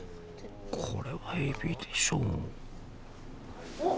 これはエビでしょうおっ？